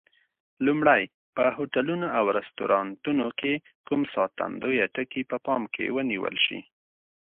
لومړی: په هوټلونو او رستورانتونو کې کوم ساتندویه ټکي په پام کې ونیول شي؟